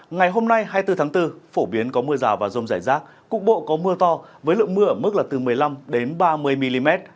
ngày hôm nay hai mươi bốn tháng bốn phổ biến có mưa rào và rông rải rác cục bộ có mưa to với lượng mưa ở mức là từ một mươi năm ba mươi mm